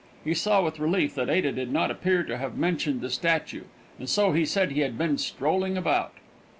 He saw with relief that Ada did not appear to have mentioned the statue, and so he said he had been "strolling about."